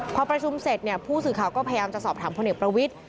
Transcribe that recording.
พอประชุมเสร็จเนี่ยผู้สื่อข่าวก็พยายามจะสอบถามพลเอกประวิทธิ